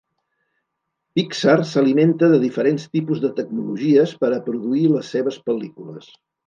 Pixar s’alimenta de diferents tipus de tecnologies per a produir les seves pel·lícules.